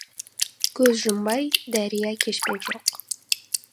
Көз жұмбай дария кешпек жоқ.